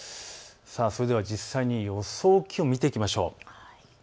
それでは実際に予想気温を見ていきましょう。